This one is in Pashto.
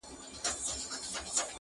ښخ کړﺉ هدیره کي ما د هغو مېړنو تر څنګ.